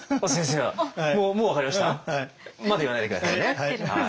はい。